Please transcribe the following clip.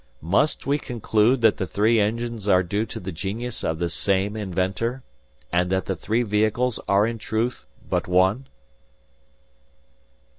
"Must we conclude that the three engines are due to the genius of the same inventor, and that the three vehicles are in truth but one?"